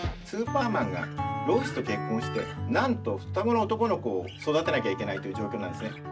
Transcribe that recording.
スーパーマンがロイスと結婚してなんと双子の男の子を育てなきゃいけないという状況なんですね。